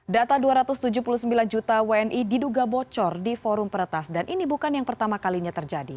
data dua ratus tujuh puluh sembilan juta wni diduga bocor di forum peretas dan ini bukan yang pertama kalinya terjadi